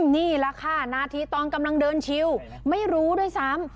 นี่แหละค่ะนาทีตอนกำลังเดินชิวไม่รู้ด้วยซ้ำ